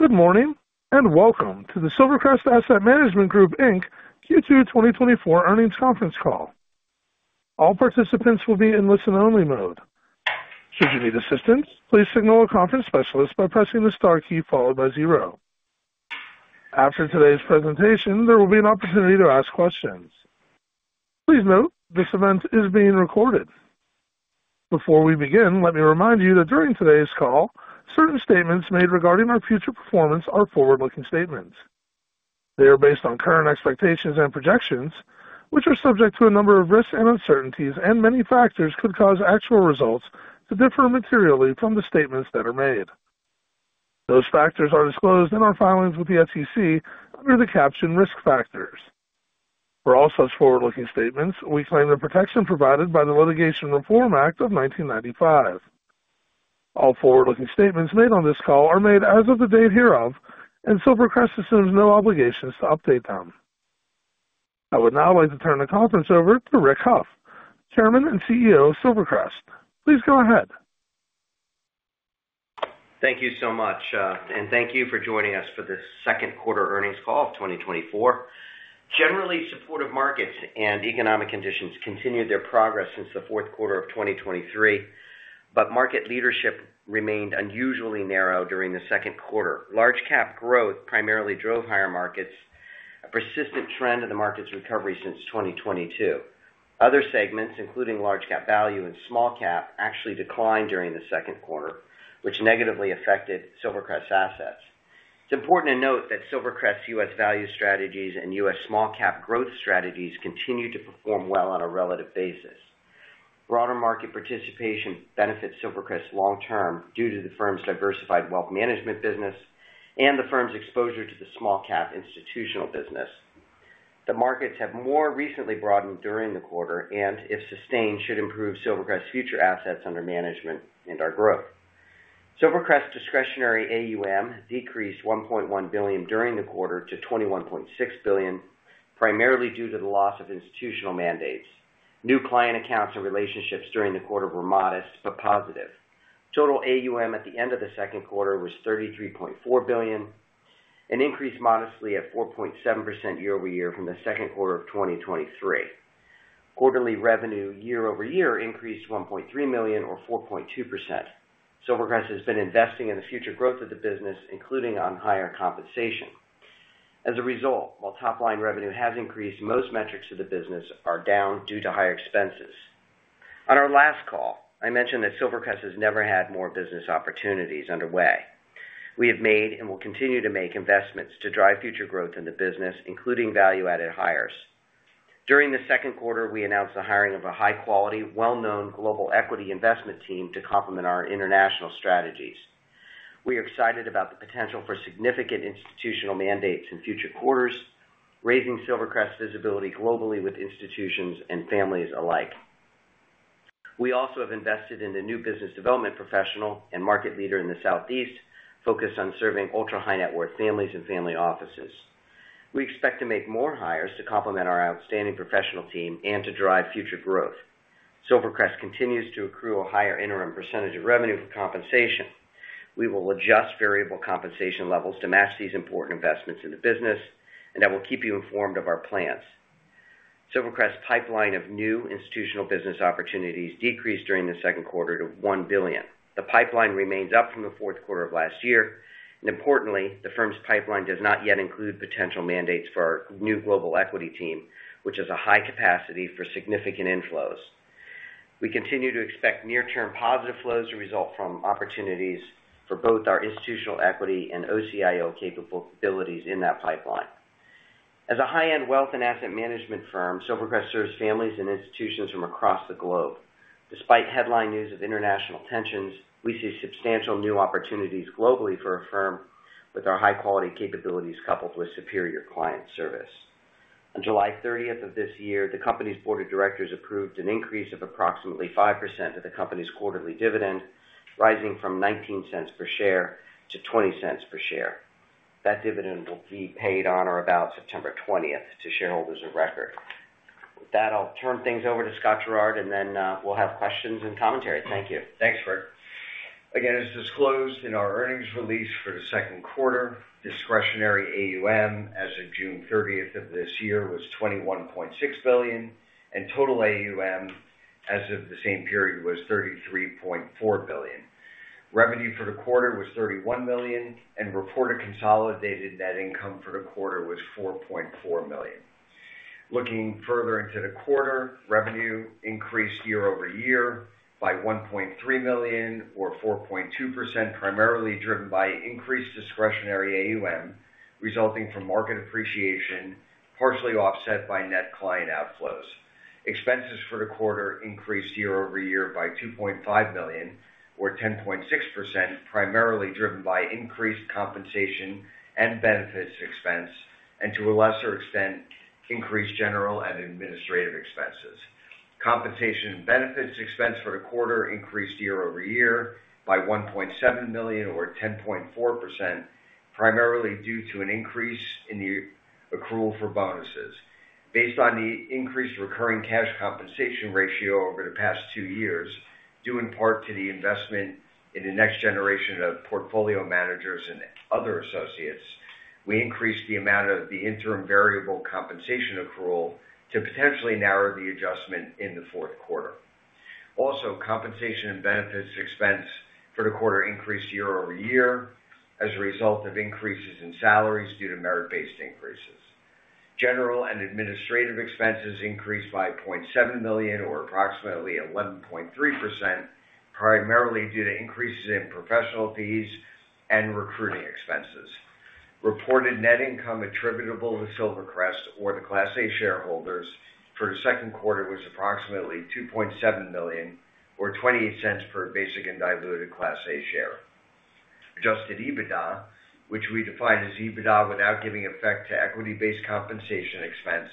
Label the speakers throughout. Speaker 1: Good morning and welcome to the Silvercrest Asset Management Group, Inc. Q2 2024 earnings conference call. All participants will be in listen-only mode. Should you need assistance, please signal a conference specialist by pressing the star key followed by zero. After today's presentation, there will be an opportunity to ask questions. Please note this event is being recorded. Before we begin, let me remind you that during today's call, certain statements made regarding our future performance are forward-looking statements. They are based on current expectations and projections, which are subject to a number of risks and uncertainties, and many factors could cause actual results to differ materially from the statements that are made. Those factors are disclosed in our filings with the SEC under the caption 'Risk Factors'. For all such forward-looking statements, we claim the protection provided by the Private Securities Litigation Reform Act of 1995. All forward-looking statements made on this call are made as of the date hereof, and Silvercrest assumes no obligations to update them. I would now like to turn the conference over to Rick Hough, Chairman and CEO of Silvercrest. Please go ahead.
Speaker 2: Thank you so much, and thank you for joining us for the Q2 earnings call of 2024. Generally, supportive markets and economic conditions continued their progress since the Q4 of 2023, but market leadership remained unusually narrow during the Q2. Large-cap growth primarily drove higher markets, a persistent trend in the market's recovery since 2022. Other segments, including large-cap value and small-cap, actually declined during the Q2, which negatively affected Silvercrest's assets. It's important to note that Silvercrest's U.S. Value Strategies and U.S. Small-Cap Growth Strategies continue to perform well on a relative basis. Broader market participation benefits Silvercrest long-term due to the firm's diversified wealth management business and the firm's exposure to the small-cap institutional business. The markets have more recently broadened during the quarter and, if sustained, should improve Silvercrest's future assets under management and our growth. Silvercrest's discretionary AUM decreased $1.1 billion during the quarter to $21.6 billion, primarily due to the loss of institutional mandates. New client accounts and relationships during the quarter were modest but positive. Total AUM at the end of the Q2 was $33.4 billion, an increase modestly at 4.7% year-over-year from the Q2 of 2023. Quarterly revenue year-over-year increased $1.3 million, or 4.2%. Silvercrest has been investing in the future growth of the business, including on higher compensation. As a result, while top-line revenue has increased, most metrics of the business are down due to higher expenses. On our last call, I mentioned that Silvercrest has never had more business opportunities underway. We have made and will continue to make investments to drive future growth in the business, including value-added hires. During the Q2, we announced the hiring of a high-quality, well-known global equity investment team to complement our international strategies. We are excited about the potential for significant institutional mandates in future quarters, raising Silvercrest's visibility globally with institutions and families alike. We also have invested in a new business development professional and market leader in the Southeast focused on serving ultra-high-net-worth families and family offices. We expect to make more hires to complement our outstanding professional team and to drive future growth. Silvercrest continues to accrue a higher interim percentage of revenue for compensation. We will adjust variable compensation levels to match these important investments in the business, and I will keep you informed of our plans. Silvercrest's pipeline of new institutional business opportunities decreased during the Q2 to $1 billion. The pipeline remains up from the Q4 of last year. Importantly, the firm's pipeline does not yet include potential mandates for our new global equity team, which has a high capacity for significant inflows. We continue to expect near-term positive flows to result from opportunities for both our institutional equity and OCIO capabilities in that pipeline. As a high-end wealth and asset management firm, Silvercrest serves families and institutions from across the globe. Despite headline news of international tensions, we see substantial new opportunities globally for a firm with our high-quality capabilities coupled with superior client service. On July 30th of this year, the company's board of directors approved an increase of approximately 5% of the company's quarterly dividend, rising from $0.19 per share to $0.20 per share. That dividend will be paid on or about September 20th to shareholders of record. With that, I'll turn things over to Scott Gerard, and then we'll have questions and commentary. Thank you.
Speaker 3: Thanks, Rick. Again, as disclosed in our earnings release for the Q2, discretionary AUM as of June 30th of this year was $21.6 billion, and total AUM as of the same period was $33.4 billion. Revenue for the quarter was $31 million, and reported consolidated net income for the quarter was $4.4 million. Looking further into the quarter, revenue increased year-over-year by $1.3 million, or 4.2%, primarily driven by increased discretionary AUM resulting from market appreciation, partially offset by net client outflows. Expenses for the quarter increased year-over-year by $2.5 million, or 10.6%, primarily driven by increased compensation and benefits expense, and to a lesser extent, increased general and administrative expenses. Compensation and benefits expense for the quarter increased year-over-year by $1.7 million, or 10.4%, primarily due to an increase in the accrual for bonuses. Based on the increased recurring cash compensation ratio over the past two years, due in part to the investment in the next generation of portfolio managers and other associates, we increased the amount of the interim variable compensation accrual to potentially narrow the adjustment in the Q4. Also, compensation and benefits expense for the quarter increased year-over-year as a result of increases in salaries due to merit-based increases. General and administrative expenses increased by $0.7 million, or approximately 11.3%, primarily due to increases in professional fees and recruiting expenses. Reported net income attributable to Silvercrest or the Class A shareholders for the Q2 was approximately $2.7 million, or $0.28 per basic and diluted Class A share. Adjusted EBITDA, which we define as EBITDA without giving effect to equity-based compensation expense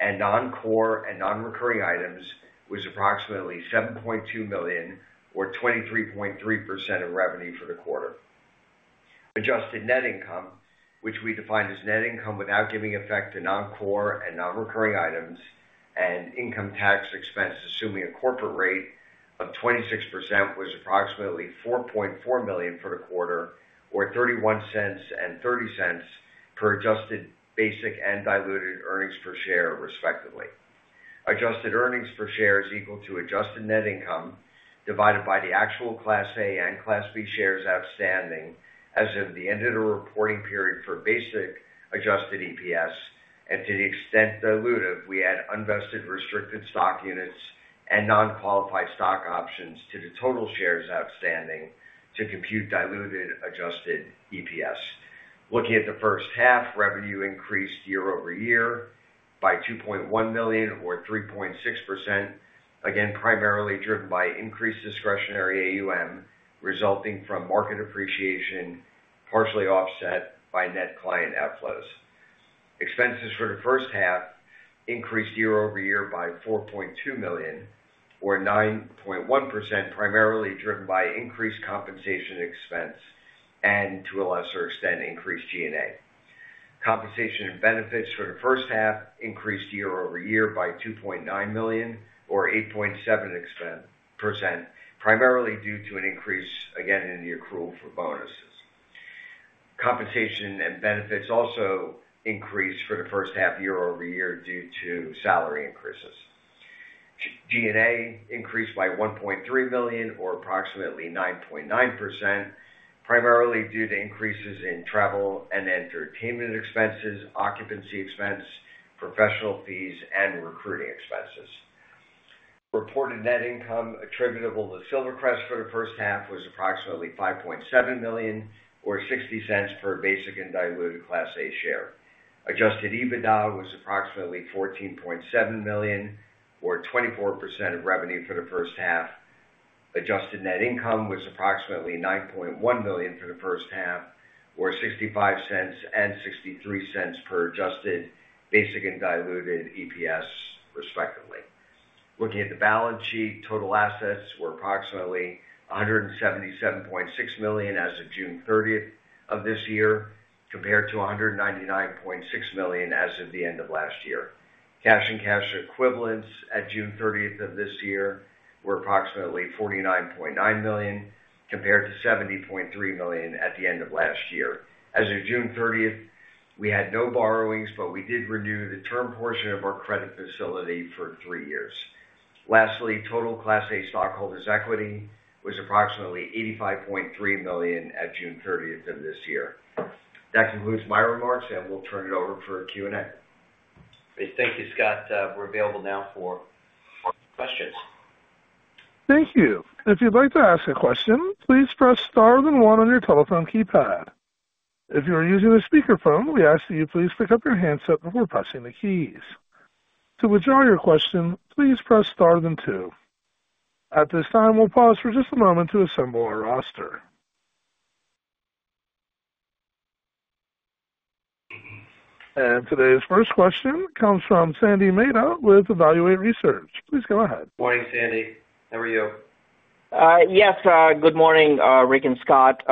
Speaker 3: and non-core and non-recurring items, was approximately $7.2 million, or 23.3% of revenue for the quarter. Adjusted net income, which we define as net income without giving effect to non-core and non-recurring items and income tax expense, assuming a corporate rate of 26%, was approximately $4.4 million for the quarter, or $0.31 and $0.30 per adjusted basic and diluted earnings per share, respectively. Adjusted earnings per share is equal to adjusted net income divided by the actual Class A and Class B shares outstanding as of the end of the reporting period for basic adjusted EPS, and to the extent diluted, we add unvested restricted stock units and non-qualified stock options to the total shares outstanding to compute diluted adjusted EPS. Looking at the first half, revenue increased year-over-year by $2.1 million, or 3.6%, again, primarily driven by increased discretionary AUM resulting from market appreciation, partially offset by net client outflows. Expenses for the first half increased year-over-year by $4.2 million, or 9.1%, primarily driven by increased compensation expense and, to a lesser extent, increased G&A. Compensation and benefits for the first half increased year-over-year by $2.9 million, or 8.7%, primarily due to an increase, again, in the accrual for bonuses. Compensation and benefits also increased for the first half year-over-year due to salary increases. G&A increased by $1.3 million, or approximately 9.9%, primarily due to increases in travel and entertainment expenses, occupancy expense, professional fees, and recruiting expenses. Reported net income attributable to Silvercrest for the first half was approximately $5.7 million, or $0.60 per basic and diluted Class A share. Adjusted EBITDA was approximately $14.7 million, or 24% of revenue for the first half. Adjusted net income was approximately $9.1 million for the first half, or $0.65 and $0.63 per adjusted basic and diluted EPS, respectively. Looking at the balance sheet, total assets were approximately $177.6 million as of June 30th of this year, compared to $199.6 million as of the end of last year. Cash and cash equivalents at June 30th of this year were approximately $49.9 million, compared to $70.3 million at the end of last year. As of June 30th, we had no borrowings, but we did renew the term portion of our credit facility for three years. Lastly, total Class A stockholders' equity was approximately $85.3 million at June 30th of this year. That concludes my remarks, and we'll turn it over for Q&A.
Speaker 2: Great. Thank you, Scott. We're available now for questions.
Speaker 1: Thank you. If you'd like to ask a question, please press star then one on your telephone keypad. If you are using a speakerphone, we ask that you please pick up your handset before pressing the keys. To withdraw your question, please press star then two. At this time, we'll pause for just a moment to assemble our roster. Today's first question comes from Sandy Mehta with Evaluate Research. Please go ahead.
Speaker 2: Morning, Sandy. How are you?
Speaker 4: Yes. Good morning, Rick and Scott.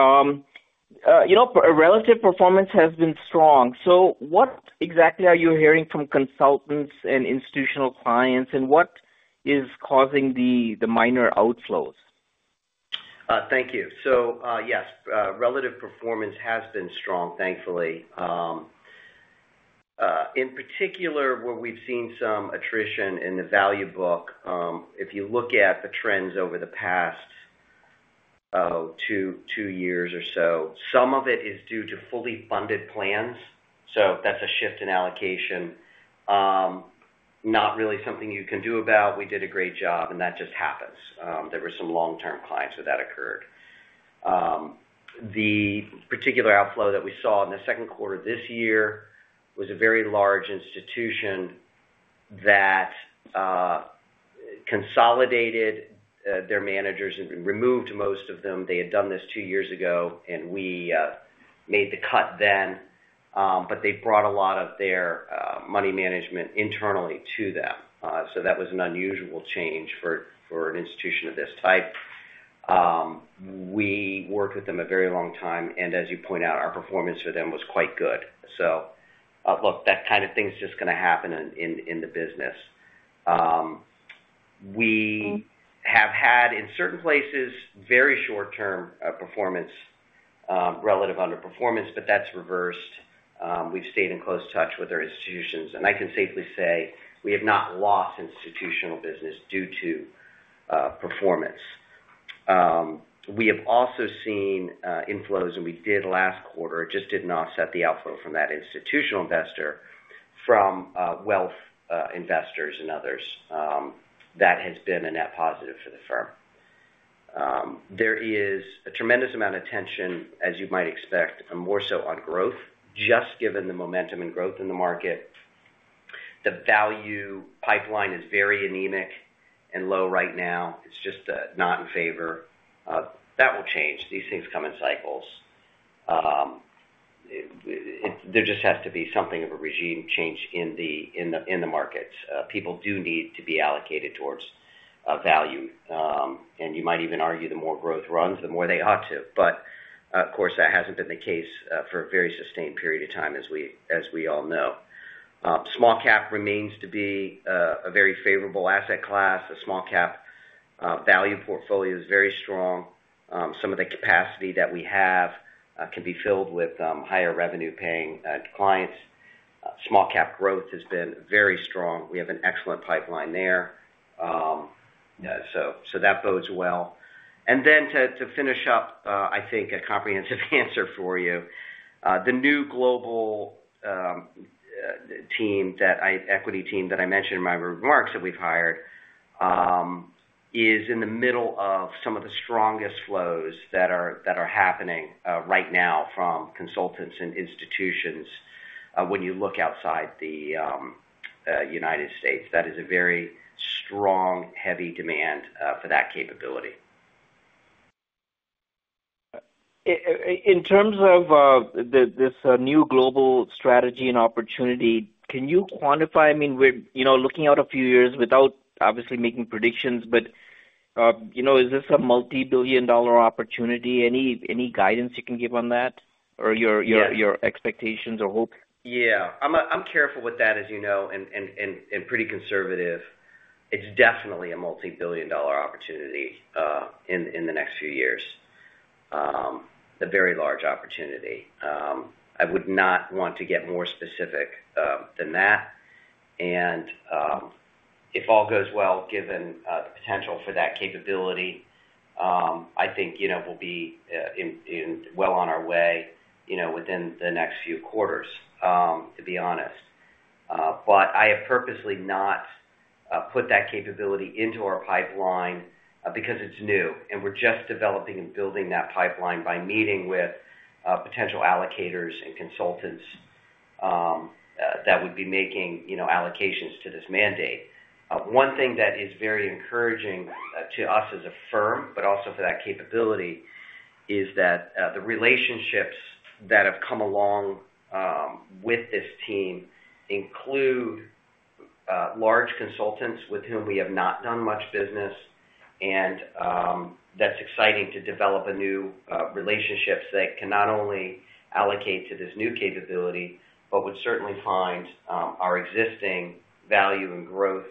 Speaker 4: Relative performance has been strong. So what exactly are you hearing from consultants and institutional clients, and what is causing the minor outflows?
Speaker 2: Thank you. So yes, relative performance has been strong, thankfully. In particular, where we've seen some attrition in the value book, if you look at the trends over the past two years or so, some of it is due to fully funded plans. So that's a shift in allocation, not really something you can do about. We did a great job, and that just happens. There were some long-term clients where that occurred. The particular outflow that we saw in the Q2 of this year was a very large institution that consolidated their managers and removed most of them. They had done this two years ago, and we made the cut then, but they brought a lot of their money management internally to them. So that was an unusual change for an institution of this type. We worked with them a very long time, and as you point out, our performance for them was quite good. So look, that kind of thing is just going to happen in the business. We have had, in certain places, very short-term performance, relative underperformance, but that's reversed. We've stayed in close touch with our institutions, and I can safely say we have not lost institutional business due to performance. We have also seen inflows, and we did last quarter. It just didn't offset the outflow from that institutional investor, from wealth investors and others. That has been a net positive for the firm. There is a tremendous amount of tension, as you might expect, and more so on growth, just given the momentum and growth in the market. The value pipeline is very anemic and low right now. It's just not in favor. That will change. These things come in cycles. There just has to be something of a regime change in the markets. People do need to be allocated towards value. And you might even argue the more growth runs, the more they ought to. But of course, that hasn't been the case for a very sustained period of time, as we all know. Small cap remains to be a very favorable asset class. The small cap value portfolio is very strong. Some of the capacity that we have can be filled with higher revenue-paying clients. Small cap growth has been very strong. We have an excellent pipeline there. So that bodes well. And then to finish up, I think a comprehensive answer for you. The new global equity team that I mentioned in my remarks that we've hired is in the middle of some of the strongest flows that are happening right now from consultants and institutions when you look outside the United States. That is a very strong, heavy demand for that capability.
Speaker 4: In terms of this new global strategy and opportunity, can you quantify? I mean, we're looking out a few years without, obviously, making predictions, but is this a multi-billion-dollar opportunity? Any guidance you can give on that, or your expectations or hopes?
Speaker 2: Yeah. I'm careful with that, as you know, and pretty conservative. It's definitely a multi-billion-dollar opportunity in the next few years, a very large opportunity. I would not want to get more specific than that. And if all goes well, given the potential for that capability, I think we'll be well on our way within the next few quarters, to be honest. But I have purposely not put that capability into our pipeline because it's new, and we're just developing and building that pipeline by meeting with potential allocators and consultants that would be making allocations to this mandate. One thing that is very encouraging to us as a firm, but also for that capability, is that the relationships that have come along with this team include large consultants with whom we have not done much business, and that's exciting to develop new relationships that can not only allocate to this new capability, but would certainly find our existing value and growth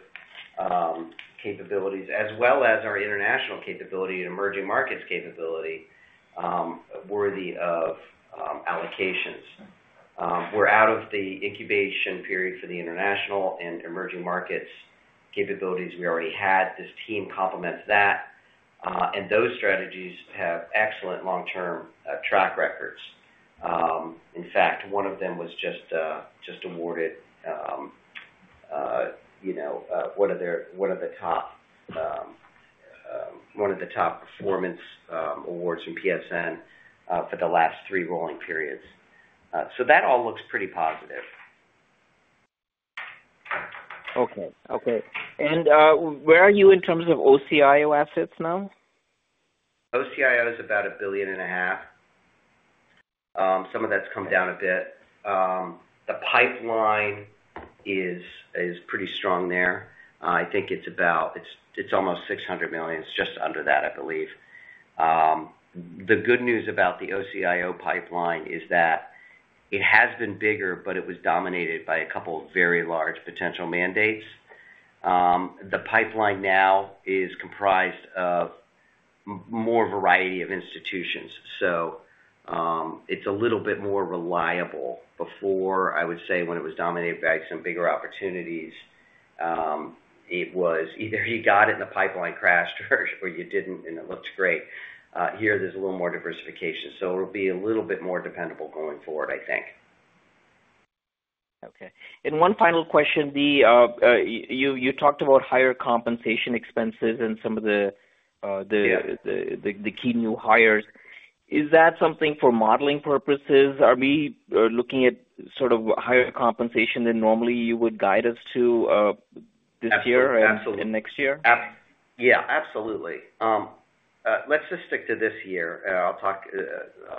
Speaker 2: capabilities, as well as our international capability and emerging markets capability worthy of allocations. We're out of the incubation period for the international and emerging markets capabilities we already had. This team complements that, and those strategies have excellent long-term track records. In fact, one of them was just awarded one of the top performance awards from PSN for the last three rolling periods. So that all looks pretty positive.
Speaker 4: Okay. Okay. Where are you in terms of OCIO assets now?
Speaker 2: OCIO is about $1.5 billion. Some of that's come down a bit. The pipeline is pretty strong there. I think it's almost $600 million. It's just under that, I believe. The good news about the OCIO pipeline is that it has been bigger, but it was dominated by a couple of very large potential mandates. The pipeline now is comprised of more variety of institutions. So it's a little bit more reliable. Before, I would say, when it was dominated by some bigger opportunities, it was either you got it and the pipeline crashed, or you didn't, and it looked great. Here, there's a little more diversification. So it'll be a little bit more dependable going forward, I think.
Speaker 4: Okay. And one final question. You talked about higher compensation expenses and some of the key new hires. Is that something for modeling purposes? Are we looking at sort of higher compensation than normally you would guide us to this year and next year?
Speaker 2: Absolutely. Yeah. Absolutely. Let's just stick to this year.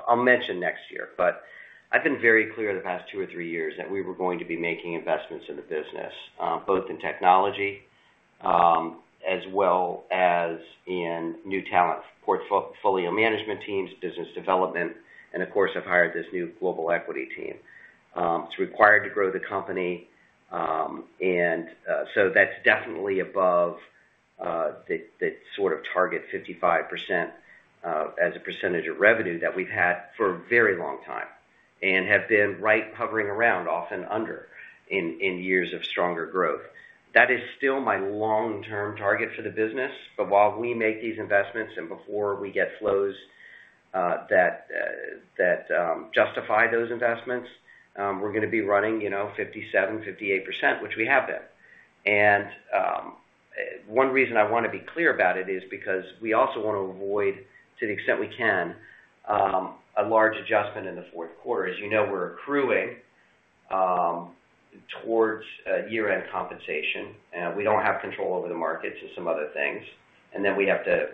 Speaker 2: I'll mention next year, but I've been very clear the past two or three years that we were going to be making investments in the business, both in technology as well as in new talent portfolio management teams, business development, and of course, I've hired this new global equity team. It's required to grow the company. And so that's definitely above that sort of target 55% as a percentage of revenue that we've had for a very long time and have been right hovering around, often under, in years of stronger growth. That is still my long-term target for the business. But while we make these investments and before we get flows that justify those investments, we're going to be running 57%-58%, which we have been. One reason I want to be clear about it is because we also want to avoid, to the extent we can, a large adjustment in the Q4. As you know, we're accruing towards year-end compensation. We don't have control over the markets and some other things, and then we have to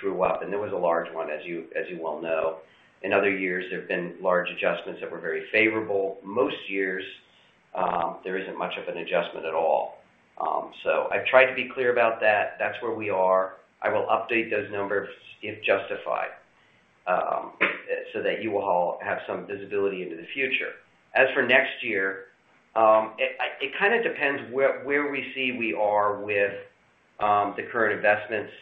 Speaker 2: true up. There was a large one, as you well know. In other years, there have been large adjustments that were very favorable. Most years, there isn't much of an adjustment at all. So I've tried to be clear about that. That's where we are. I will update those numbers if justified so that you will all have some visibility into the future. As for next year, it kind of depends where we see we are with the current investments,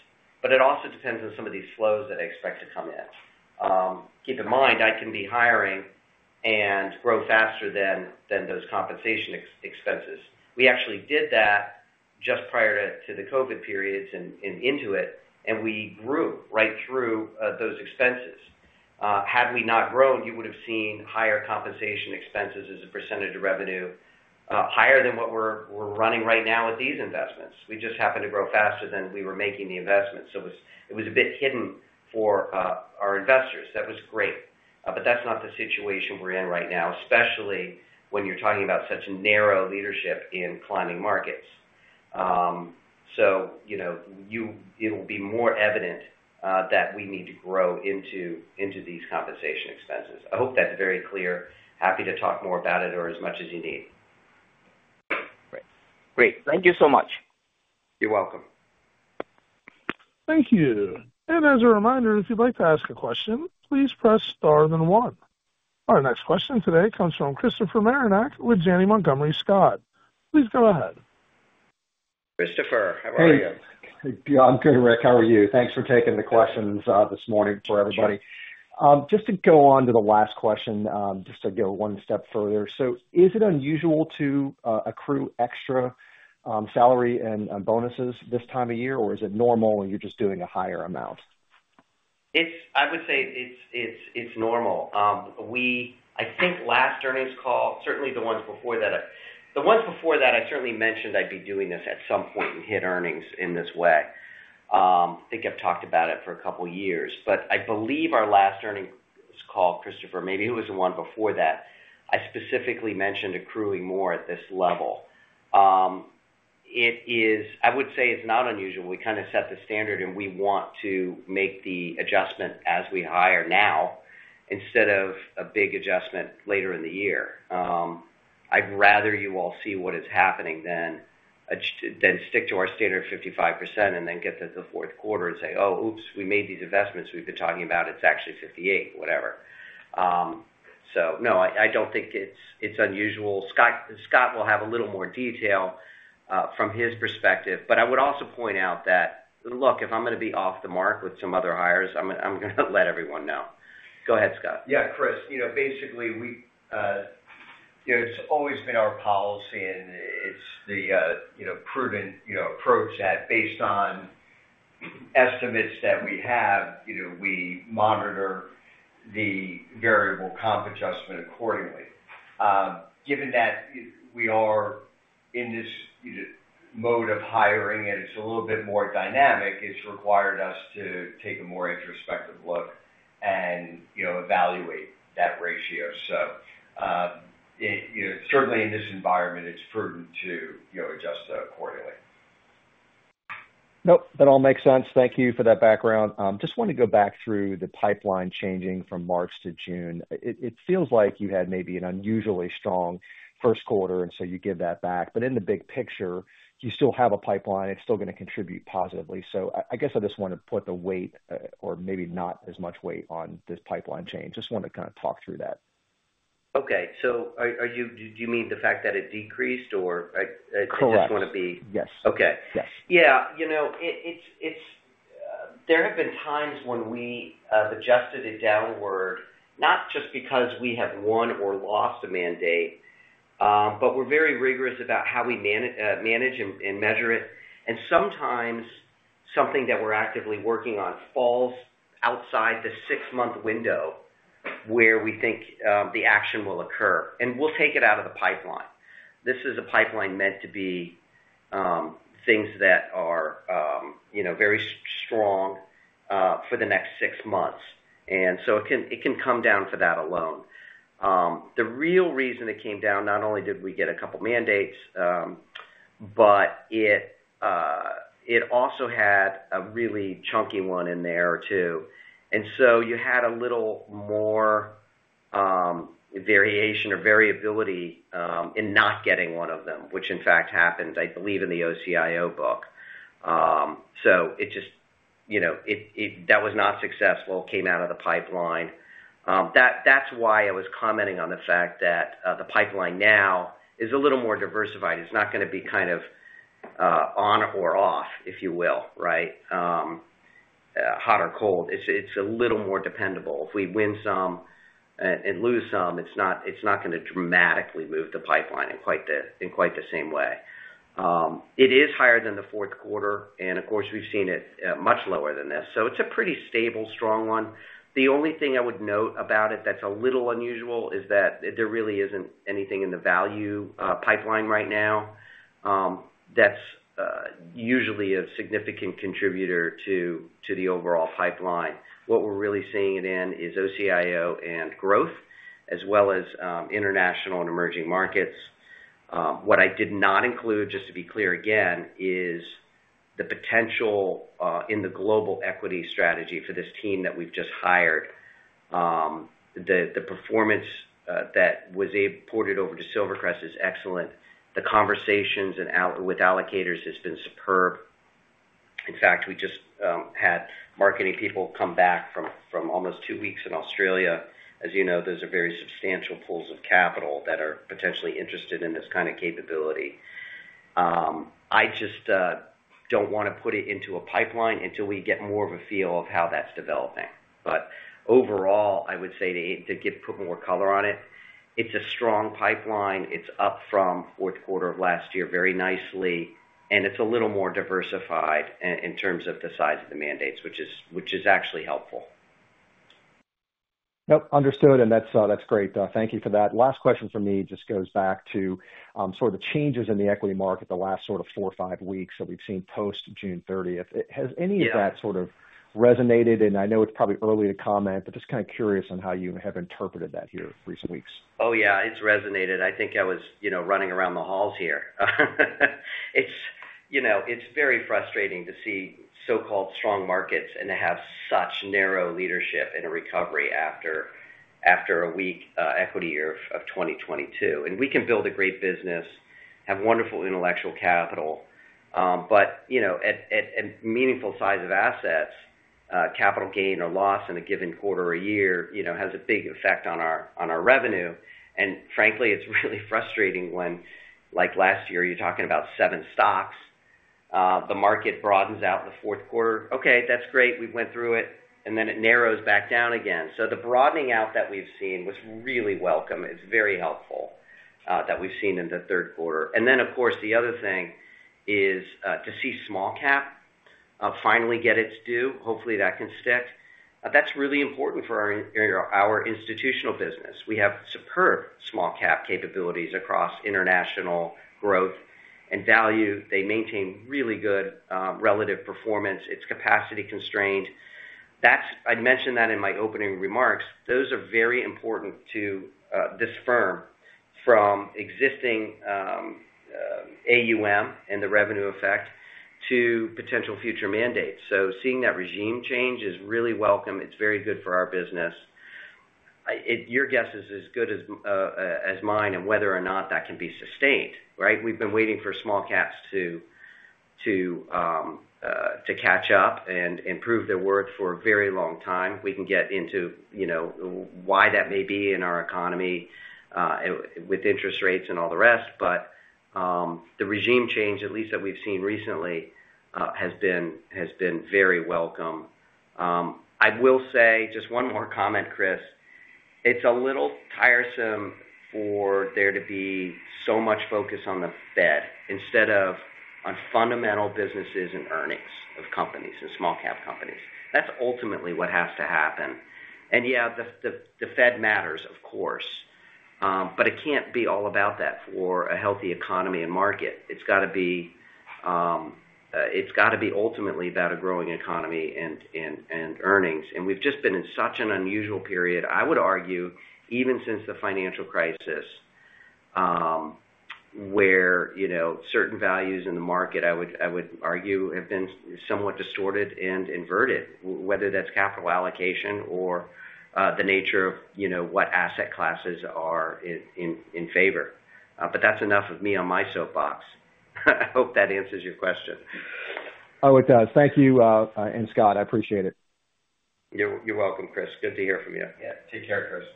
Speaker 2: but it also depends on some of these flows that I expect to come in. Keep in mind, I can be hiring and grow faster than those compensation expenses. We actually did that just prior to the COVID periods and into it, and we grew right through those expenses. Had we not grown, you would have seen higher compensation expenses as a percentage of revenue, higher than what we're running right now with these investments. We just happened to grow faster than we were making the investments. So it was a bit hidden for our investors. That was great. But that's not the situation we're in right now, especially when you're talking about such narrow leadership in climbing markets. So it'll be more evident that we need to grow into these compensation expenses. I hope that's very clear. Happy to talk more about it or as much as you need.
Speaker 4: Great. Great. Thank you so much.
Speaker 2: You're welcome.
Speaker 1: Thank you. And as a reminder, if you'd like to ask a question, please press star then one. Our next question today comes from Christopher Marinac with Janney Montgomery Scott. Please go ahead.
Speaker 2: Christopher, how are you?
Speaker 5: Good, Rick. How are you? Thanks for taking the questions this morning for everybody. Just to go on to the last question, just to go one step further. So is it unusual to accrue extra salary and bonuses this time of year, or is it normal and you're just doing a higher amount?
Speaker 2: I would say it's normal. I think last earnings call, certainly the ones before that. The ones before that, I certainly mentioned I'd be doing this at some point and hit earnings in this way. I think I've talked about it for a couple of years. But I believe our last earnings call, Christopher, maybe it was the one before that, I specifically mentioned accruing more at this level. I would say it's not unusual. We kind of set the standard, and we want to make the adjustment as we hire now instead of a big adjustment later in the year. I'd rather you all see what is happening than stick to our standard of 55% and then get to the Q4 and say, "Oh, oops, we made these investments we've been talking about. It's actually 58, whatever." So no, I don't think it's unusual. Scott will have a little more detail from his perspective. But I would also point out that, look, if I'm going to be off the mark with some other hires, I'm going to let everyone know. Go ahead, Scott.
Speaker 3: Yeah, Chris. Basically, it's always been our policy, and it's the prudent approach that based on estimates that we have, we monitor the variable comp adjustment accordingly. Given that we are in this mode of hiring and it's a little bit more dynamic, it's required us to take a more introspective look and evaluate that ratio. So certainly in this environment, it's prudent to adjust accordingly.
Speaker 5: Nope. That all makes sense. Thank you for that background. Just want to go back through the pipeline changing from March to June. It feels like you had maybe an unusually strong Q1, and so you give that back. But in the big picture, you still have a pipeline. It's still going to contribute positively. So I guess I just want to put the weight, or maybe not as much weight, on this pipeline change. Just want to kind of talk through that.
Speaker 2: Okay. So do you mean the fact that it decreased, or do you just want to be?
Speaker 5: Correct. Yes.
Speaker 2: Okay. Yeah. There have been times when we have adjusted it downward, not just because we have won or lost a mandate, but we're very rigorous about how we manage and measure it. And sometimes something that we're actively working on falls outside the 6-month window where we think the action will occur, and we'll take it out of the pipeline. This is a pipeline meant to be things that are very strong for the next 6 months. And so it can come down for that alone. The real reason it came down, not only did we get a couple of mandates, but it also had a really chunky one in there or two. And so you had a little more variation or variability in not getting one of them, which in fact happened, I believe, in the OCIO book. So, it just that was not successful, came out of the pipeline. That's why I was commenting on the fact that the pipeline now is a little more diversified. It's not going to be kind of on or off, if you will, right? Hot or cold. It's a little more dependable. If we win some and lose some, it's not going to dramatically move the pipeline in quite the same way. It is higher than the Q4, and of course, we've seen it much lower than this. So it's a pretty stable, strong one. The only thing I would note about it that's a little unusual is that there really isn't anything in the value pipeline right now that's usually a significant contributor to the overall pipeline. What we're really seeing it in is OCIO and growth, as well as international and emerging markets. What I did not include, just to be clear again, is the potential in the global equity strategy for this team that we've just hired. The performance that was ported over to Silvercrest is excellent. The conversations with allocators have been superb. In fact, we just had marketing people come back from almost two weeks in Australia. As you know, those are very substantial pools of capital that are potentially interested in this kind of capability. I just don't want to put it into a pipeline until we get more of a feel of how that's developing. But overall, I would say to put more color on it, it's a strong pipeline. It's up from Q4 of last year very nicely, and it's a little more diversified in terms of the size of the mandates, which is actually helpful.
Speaker 5: Nope. Understood. And that's great. Thank you for that. Last question for me just goes back to sort of the changes in the equity market the last sort of four or five weeks that we've seen post-June 30th. Has any of that sort of resonated? And I know it's probably early to comment, but just kind of curious on how you have interpreted that in recent weeks.
Speaker 2: Oh, yeah. It's resonated. I think I was running around the halls here. It's very frustrating to see so-called strong markets and to have such narrow leadership in a recovery after a weak equity year of 2022. We can build a great business, have wonderful intellectual capital, but at a meaningful size of assets, capital gain or loss in a given quarter or year has a big effect on our revenue. And frankly, it's really frustrating when, like last year, you're talking about seven stocks. The market broadens out in the Q4. Okay, that's great. We went through it, and then it narrows back down again. So the broadening out that we've seen was really welcome. It's very helpful that we've seen in the Q3. And then, of course, the other thing is to see small-cap finally get its due. Hopefully, that can stick. That's really important for our institutional business. We have superb small-cap capabilities across international growth and value. They maintain really good relative performance. It's capacity constrained. I mentioned that in my opening remarks. Those are very important to this firm from existing AUM and the revenue effect to potential future mandates. So seeing that regime change is really welcome. It's very good for our business. Your guess is as good as mine on whether or not that can be sustained, right? We've been waiting for small caps to catch up and prove their worth for a very long time. We can get into why that may be in our economy with interest rates and all the rest. But the regime change, at least that we've seen recently, has been very welcome. I will say just one more comment, Chris. It's a little tiresome for there to be so much focus on the Fed instead of on fundamental businesses and earnings of companies and small-cap companies. That's ultimately what has to happen. And yeah, the Fed matters, of course, but it can't be all about that for a healthy economy and market. It's got to be it's got to be ultimately about a growing economy and earnings. And we've just been in such an unusual period, I would argue, even since the financial crisis, where certain values in the market, I would argue, have been somewhat distorted and inverted, whether that's capital allocation or the nature of what asset classes are in favor. But that's enough of me on my soapbox. I hope that answers your question.
Speaker 5: Oh, it does. Thank you. Scott, I appreciate it.
Speaker 2: You're welcome, Chris. Good to hear from you.
Speaker 3: Yeah. Take care, Chris.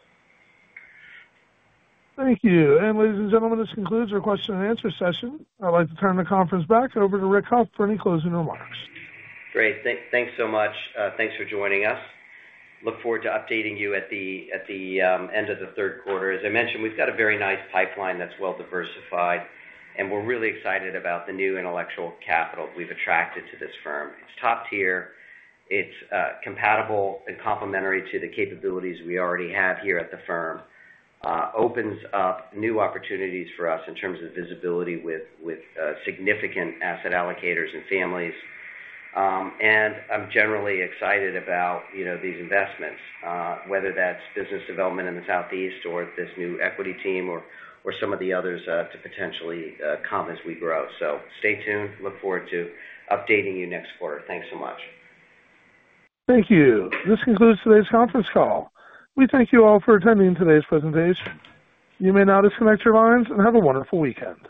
Speaker 1: Thank you. Ladies and gentlemen, this concludes our question and answer session. I'd like to turn the conference back over to Rick Hough for any closing remarks.
Speaker 2: Great. Thanks so much. Thanks for joining us. Look forward to updating you at the end of the Q3. As I mentioned, we've got a very nice pipeline that's well diversified, and we're really excited about the new intellectual capital we've attracted to this firm. It's top tier. It's compatible and complementary to the capabilities we already have here at the firm. Opens up new opportunities for us in terms of visibility with significant asset allocators and families. And I'm generally excited about these investments, whether that's business development in the Southeast or this new equity team or some of the others to potentially come as we grow. So stay tuned. Look forward to updating you next quarter. Thanks so much.
Speaker 1: Thank you. This concludes today's conference call. We thank you all for attending today's presentation. You may now disconnect your lines and have a wonderful weekend.